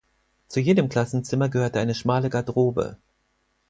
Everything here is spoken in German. Zu jedem Klassenzimmer gehörte eine schmale Garderobe.